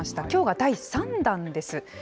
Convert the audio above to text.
きょうは第３弾です。